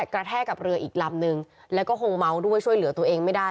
แทกกับเรืออีกลำนึงแล้วก็คงเมาด้วยช่วยเหลือตัวเองไม่ได้